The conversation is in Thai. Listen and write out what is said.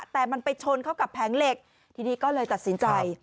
แต่มันไปชนเข้ากับแผงเหล็กทีนี้ก็เลยตัดสินใจ